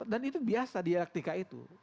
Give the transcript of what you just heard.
dan itu biasa di elektrika itu